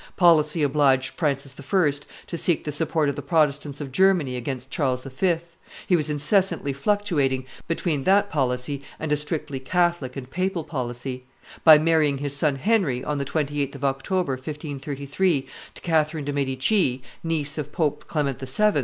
Policy obliged Francis I. to seek the support of the Protestants of Germany against Charles V.; he was incessantly fluctuating between that policy and a strictly Catholic and papal policy; by marrying his son Henry, on the 28th of October, 1533, to Catherine de' Medici, niece of Pope Clement VII.